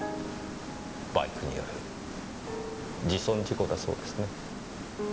バイクによる自損事故だそうですね。